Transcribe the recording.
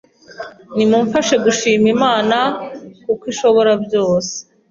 Nimumfashe gushima Imana kuko ishobora byose.